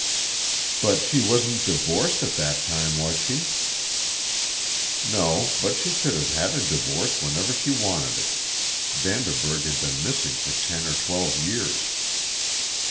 "But she wasn't divorced at that time, was she?" "No, but she could have had a divorce whenever she wanted it. Vanderburg had been missing for ten or twelve years."